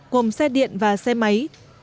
gồm xe điện và xe máy